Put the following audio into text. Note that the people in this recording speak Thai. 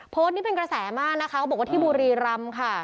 โพสต์นี้เป็นกระแสมากนะคะเขาบอกว่าที่บุรีรำค่ะ